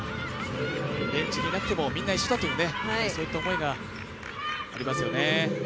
ベンチでなくても、みんな一緒だというそんな思いがありますよね。